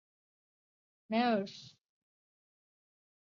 梅尔基施卢赫是德国勃兰登堡州的一个市镇。